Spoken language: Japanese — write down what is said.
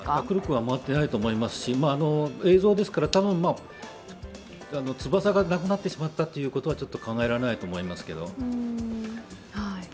くるくる回っていないと思いますし、映像ですから多分、翼がなくなってしまったということは考えられないと思います。